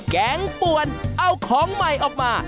แกงป่วนเอาของใหม่ออกมา